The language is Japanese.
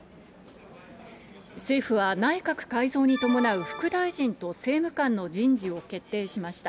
政府は内閣改造に伴う副大臣と政務官の人事を決定しました。